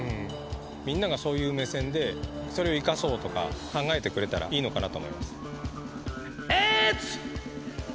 みんながそういう目線で、それを生かそうとか考えてくれたらいいのかなと思います。